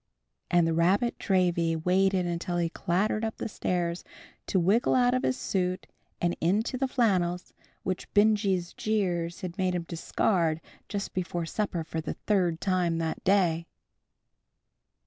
And the "rabbit dravy" waited while he clattered up the stairs to wriggle out of his suit and into the flannels, which Benjy's jeers had made him discard just before supper, for the third time that day.